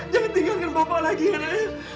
jangan tinggalkan bapak lagi ya naif